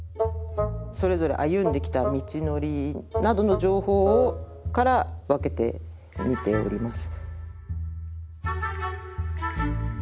それぞれ歩んできた道のりなどの情報から分けてみております。